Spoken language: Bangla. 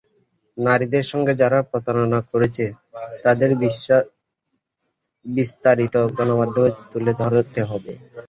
নারীদের সঙ্গে যারা প্রতারণা করছে, তাদের বিস্তারিত গণমাধ্যমে তুলে ধরতে হবে।